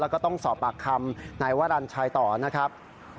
แล้วก็ต้องสอบปากคำนายวรรณชัยต่อนะครับ